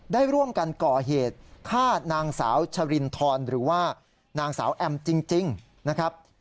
ได้ร่วมกันก่อเหตุฆ่านางสาวชรินทรหรือว่านางสาวแอมจริงนะครับ